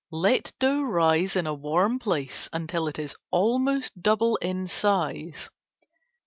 Let dough rise in warm place until it is almost double in size.